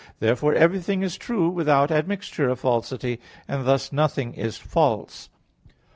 Therefore everything is true without admixture of falsity; and thus nothing is false.